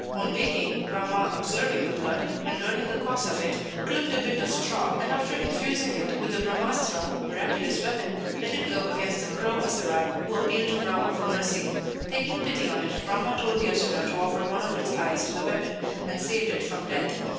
On waking, Rama, observing the blood, and learning the cause of it, clipped a bit of straw, and, after infusing it with the Brahma astra (miraculous weapon), let it go against the crow Asura, who appealed to Rama for mercy. Taking pity on it, Rama told the Asura to offer one of its eyes to the weapon, and saved it from death.